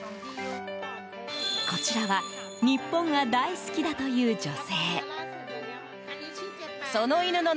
こちらは日本が大好きだという女性。